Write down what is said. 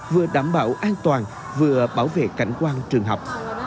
vừa đảm bảo an toàn vừa bảo vệ cảnh quan trường học